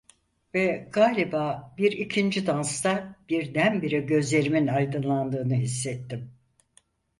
Ve galiba bir ikinci dansta birdenbire gözlerimin aydınlandığını hissettim.